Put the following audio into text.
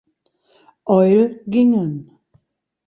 Oil gingen.